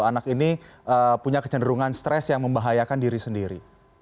anak ini punya kecenderungan stres yang membahayakan diri sendiri